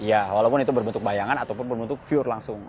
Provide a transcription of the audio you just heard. ya walaupun itu berbentuk bayangan ataupun berbentuk fure langsung